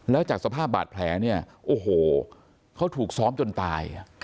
แล้วจากสภาพบาดแผลเนี่ยโอ้โหเขาถูกซ้อมจนตาย